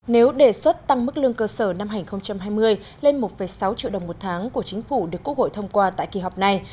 nếu đề xuất tăng mức lương cơ sở năm hai nghìn hai mươi lên một sáu triệu đồng một tháng của chính phủ được quốc hội thông qua tại kỳ họp này